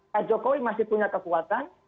pak jokowi masih punya kekuatan